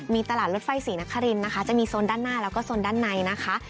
มีตลาดรถไฟศรีนครินนะคะจะมีโซนด้านหน้าแล้วก็โซนด้านในนะคะ